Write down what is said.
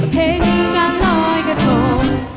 เพลงงานน้อยก็ทง